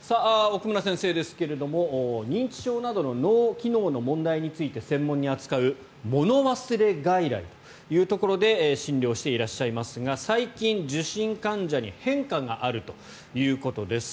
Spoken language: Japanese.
奥村先生ですが、認知症などの脳機能の問題について専門に扱う物忘れ外来というところで診療していらっしゃいますが最近、受診患者に変化があるということです。